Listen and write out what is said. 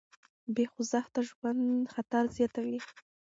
بې خوځښته ژوند خطر زیاتوي.